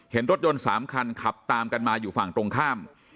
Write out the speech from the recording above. เห็นรถยนต์๓คันขับตามกันมาอยู่ฝั่งตรงข้าม